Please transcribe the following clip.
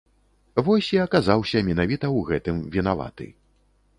Вось і аказаўся менавіта ў гэтым вінаваты.